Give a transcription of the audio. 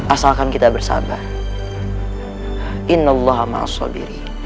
asalkan kita bersabar